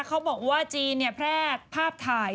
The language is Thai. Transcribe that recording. เขาบอกว่าจีนเนี่ยแพลดภาพถ่าย